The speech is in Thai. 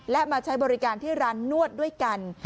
และมาใช้บริการที่ร้านนวดด้วยกัน